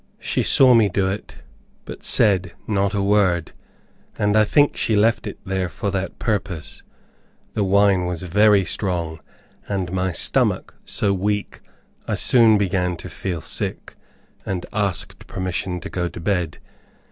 She saw me do it, but said not a word, and I think she left it there for that purpose. The wine was very strong, and my stomach so weak, I soon began to feel sick, and asked permission to go to bed.